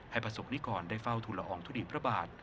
ให้ประสงค์นี้ก่อนได้เฝ้าทุลอองทุลีพระบาท